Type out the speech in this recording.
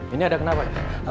ini ada kenapa